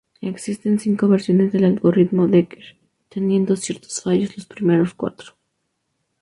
Existen cinco versiones del algoritmo Dekker, teniendo ciertos fallos los primeros cuatro.